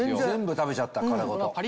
全部食べちゃった殻ごと。